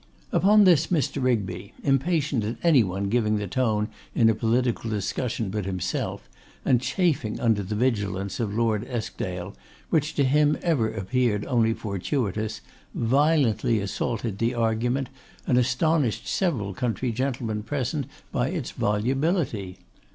Upon this, Mr. Rigby, impatient at any one giving the tone in a political discussion but himself, and chafing under the vigilance of Lord Eskdale, which to him ever appeared only fortuitous, violently assaulted the argument, and astonished several country gentlemen present by its volubility.